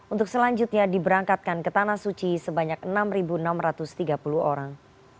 untuk selanjutnya diberangkatkan ke tanah suci sebanyak enam enam ratus tiga puluh orang